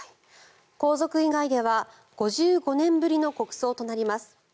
皇族以外では５５年ぶりの国葬となります。